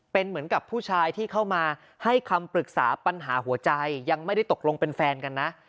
เป็นเหมือนกับผู้ชายที่เข้ามาให้คำปรึกษาปัญหาหัวใจยังไม่ได้ตกลงเป็นแฟนกันนะ